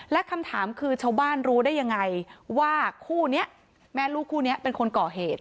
และคำถามคือชาวบ้านรู้ได้ยังไงว่าคู่นี้แม่ลูกคู่นี้เป็นคนก่อเหตุ